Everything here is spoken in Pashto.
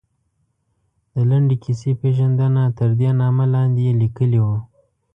د لنډې کیسې پېژندنه، تردې نامه لاندې یې لیکلي وو.